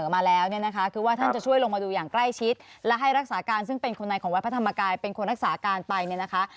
มากลายเป็นคนรักษาการไปเนี่ยนะคะ